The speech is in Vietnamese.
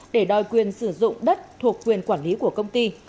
để đòi quyền sử dụng đất thuộc quyền quản lý của công ty